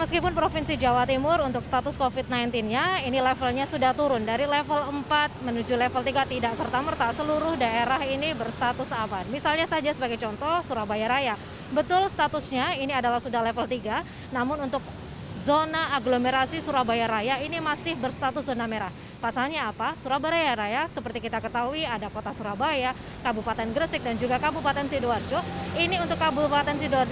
gresik dan juga kabupaten sidoarjo ini untuk kabupaten sidoarjo masih berstatus zona merah